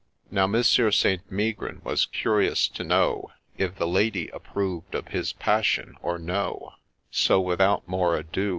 Now Monsieur St. Megrin was curious to know If the Lady approved of his passion or no ; So without more ado.